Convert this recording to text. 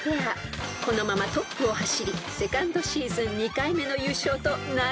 ［このままトップを走りセカンドシーズン２回目の優勝となるでしょうか］